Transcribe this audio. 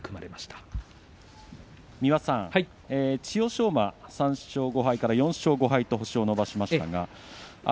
千代翔馬３勝５敗から４勝５敗と星を伸ばしました。